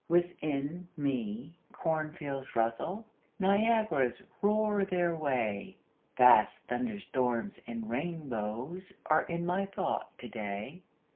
Within me cornfields rustle, Niagaras roar their way, Vast thunderstorms and rainbows Are in my thought to day.